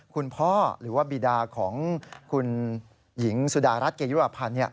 คุณพ่อหรือว่าบีดาของคุณหญิงสุดารัฐเกยุรพันธ์